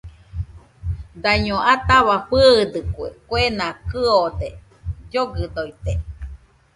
Daño ataua fɨɨdɨkue, kuena kɨode, llogɨdoite